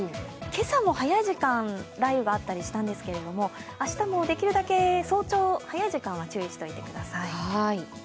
今朝も早い時間、雷雨があったりしたんですけれども明日もできるだけ早朝早い時間は注意しておいてください。